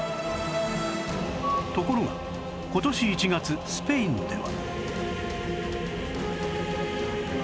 ところが今年１月スペインでは